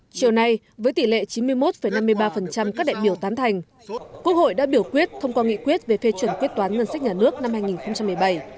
chiều nay với tỷ lệ chín mươi một năm mươi ba các đại biểu tán thành quốc hội đã biểu quyết thông qua nghị quyết về phê chuẩn quyết toán ngân sách nhà nước năm hai nghìn một mươi bảy